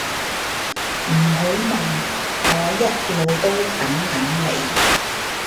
唔好問，我一路都等緊你